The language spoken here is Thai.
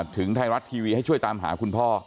ถึงไทยรัฐทีวีให้ช่วยตามหาคุณพ่อ